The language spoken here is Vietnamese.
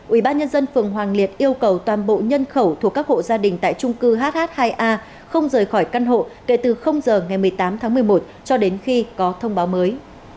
ubnd phường hoàng liệt yêu cầu toàn bộ nhân khẩu thuộc các hộ gia đình tại trung cư hh hai a không rời khỏi căn hộ kể từ giờ ngày một mươi tám tháng một mươi một cho đến khi có thông báo mới